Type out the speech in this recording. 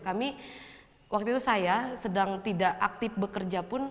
kami waktu itu saya sedang tidak aktif bekerja pun